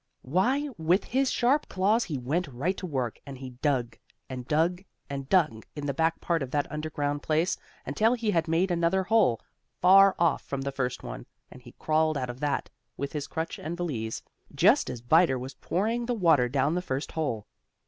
Why, with his sharp claws he went right to work, and he dug, and dug, and dug in the back part of that underground place, until he had made another hole, far off from the first one, and he crawled out of that, with his crutch and valise, just as Biter was pouring the water down the first hole.